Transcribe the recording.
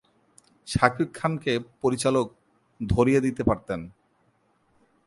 শাকিব খানকে পরিচালক ধরিয়ে দিতে পারতেন।